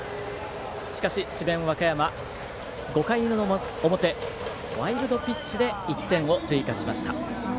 しかし、智弁和歌山、５回の表ワイルドピッチで１点を追加しました。